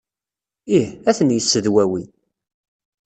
Ih, a ten-yessedwawi!